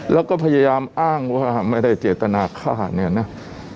แล้วก็พยายามอ้างว่าไม่ได้เจตนาฆ่าเนี่ยนะ